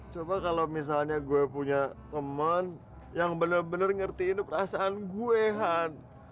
coba kalau misalnya gua punya temen yang bener bener ngertiin perasaan gua han